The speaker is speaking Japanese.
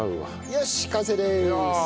よし完成です！